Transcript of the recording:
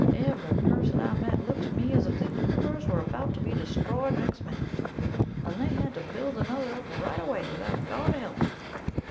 Every person I met looked at me as if the universe were about to be destroyed next minute, and they had to build another up right away without God to help 'em!"